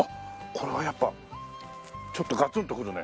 これはやっぱちょっとガツンとくるね。